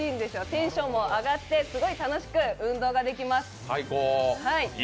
テンションも上がってすごい楽しく運動ができます。